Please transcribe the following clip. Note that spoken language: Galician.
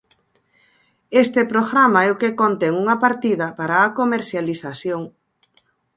Este programa é o que contén unha partida para a comercialización.